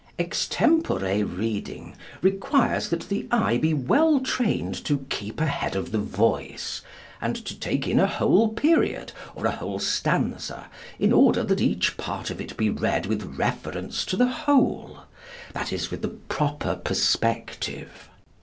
Extempore reading requires that the eye be well trained to keep ahead of the voice, and to take in a whole period, or a whole stanza, in order that each part of it be read with reference to the whole, that is, with the proper perspective.